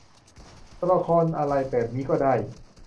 ตัวละครอะไรแบบนี้ก็ได้